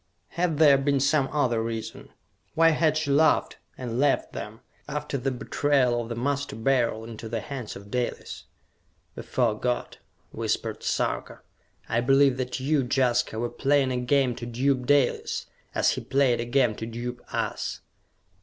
Had there been some other reason? Why had she laughed, and left them, after the betrayal of the Master Beryl into the hands of Dalis? "Before God," whispered Sarka, "I believe that you, Jaska, were playing a game to dupe Dalis, as he played a game to dupe us!"